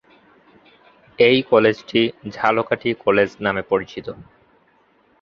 এই কলেজটি "ঝালকাঠি কলেজ" নামে পরিচিত।